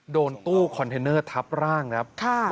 โดนตู้คอนเทนเนอร์ทับร่างครับ